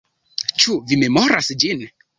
Ĉu vi memoras ĝin?